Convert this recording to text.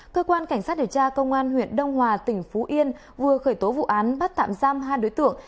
cơ quan cảnh sát điều tra công an huyện đông hòa tỉnh phú yên vừa khởi tố vụ án bắt tạm giam hai đối tượng